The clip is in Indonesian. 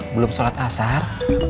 belum sholat asar